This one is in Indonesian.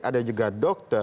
ada juga dokter